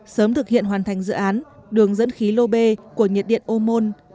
sớm thực hiện hoàn thành dự án đường dẫn khí lô bê của nhiệt điện ô môn